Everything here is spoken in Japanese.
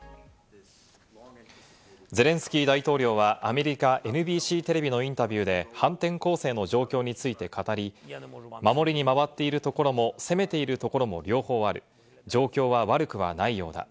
ゼレンスキー大統領はアメリカＮＢＣテレビのインタビューで、反転攻勢の状況について語り、守りに回っているところも攻めているところも両方ある、状況は悪くはないようだ。